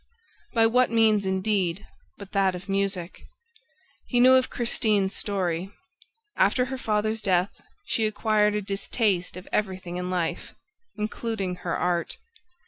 ... By what means indeed but that of music? He knew Christine's story. After her father's death, she acquired a distaste of everything in life, including her art.